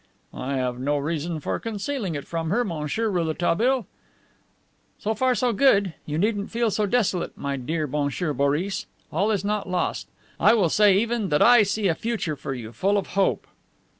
"I have no reason for concealing it from her, Monsieur Rouletabille." "So far so good. You needn't feel so desolate, my dear Monsieur Boris. All is not lost. I will say even that I see a future for you full of hope."